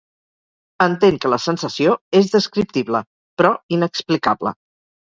Entén que la sensació és descriptible, però inexplicable.